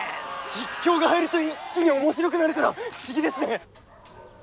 実況が入ると一気に面白くなるから不思議ですね。